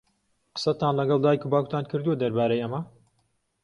قسەتان لەگەڵ دایک و باوکتان کردووە دەربارەی ئەمە؟